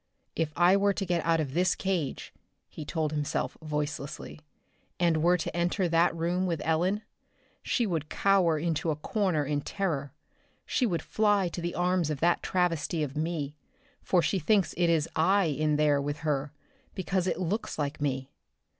"If I were to get out of this cage," he told himself voicelessly, "and were to enter that room with Ellen, she would cower into a corner in terror. She would fly to the arms of that travesty of 'me,' for she thinks it is 'I' in there with her because it looks like me."